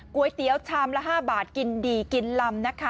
ก๋วยเตี๋ยวชามละ๕บาทกินดีกินลำนะคะ